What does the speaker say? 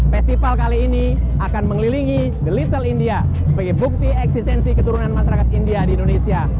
festival kali ini akan mengelilingi the little india sebagai bukti eksistensi keturunan masyarakat india di indonesia